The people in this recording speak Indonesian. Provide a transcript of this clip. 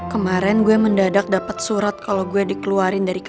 kemarin gue mendadak dapat surat kalau gue dikeluarin dari kpk